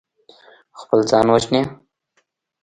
خپل ځان وژني.